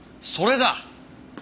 それだ！